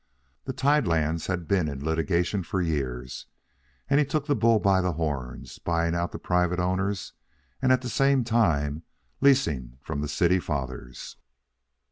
The tide lands had been in litigation for years, and he took the bull by the horns buying out the private owners and at the same time leasing from the city fathers.